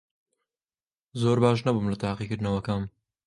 زۆر باش نەبووم لە تاقیکردنەوەکەم.